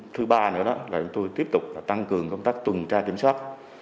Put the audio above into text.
thứ ba nữa đó là chúng tôi tiếp tục tăng cường công tác tuần tra kiểm soát